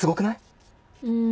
うん。